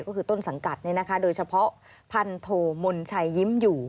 ก็คือต้นสังกัดโดยเฉพาะพันโทมนชัยยิ้มอยู่